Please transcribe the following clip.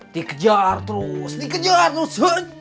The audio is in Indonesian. dikejar terus dikejar terus